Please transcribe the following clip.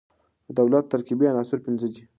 د دولت ترکيبي عناصر پنځه دي.